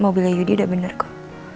mau bilang yudi udah bener kok